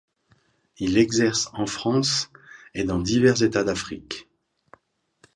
Il exerce en France et dans divers États d'Afrique.